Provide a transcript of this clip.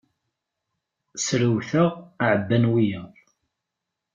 Srewteɣ, ɛabban wiyaḍ.